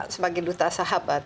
sebagai duta sahabat